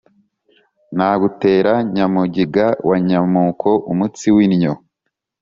Nagutera Nyamuniga wa Nyamuko-Umutsi w'innyo.